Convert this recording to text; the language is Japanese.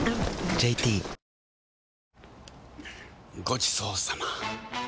ごちそうさま！